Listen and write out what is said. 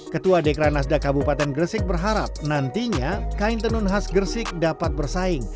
ketua dekra nasda kabupaten gresik berharap nantinya kain tenun khas gresik dapat bersaing